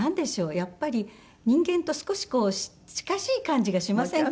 やっぱり人間と少し近しい感じがしませんか？